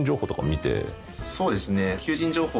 そうですね。